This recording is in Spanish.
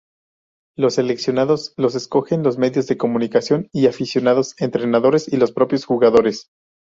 Los seleccionados los escogen los medios de comunicación, aficionados, entrenadores y los propios jugadores.